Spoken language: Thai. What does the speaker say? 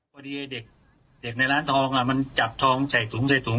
พอดีไอ้เด็กเด็กในร้านทองอ่ะมันจับทองใส่ถุงใส่ถุง